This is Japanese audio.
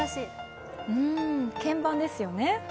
鍵盤ですよね？